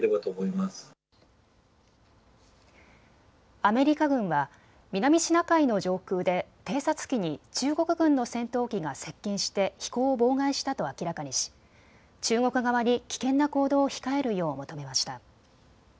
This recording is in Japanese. アメリカ軍は南シナ海の上空で偵察機に中国軍の戦闘機が接近して飛行を妨害したと明らかにし中国側に危険な行動を控えるよう求めました。